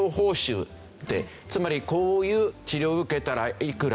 つまりこういう治療を受けたらいくら。